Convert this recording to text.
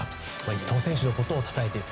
伊藤選手のことをたたえている。